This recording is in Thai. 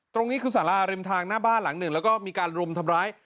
ตรงนี้คือสาราริมทางหน้าบ้านหลังหนึ่งแล้วก็มีการรุมทำร้าย